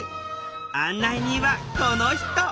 案内人はこの人！